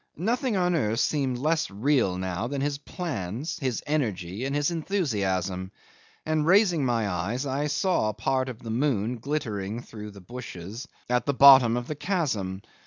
Nothing on earth seemed less real now than his plans, his energy, and his enthusiasm; and raising my eyes, I saw part of the moon glittering through the bushes at the bottom of the chasm.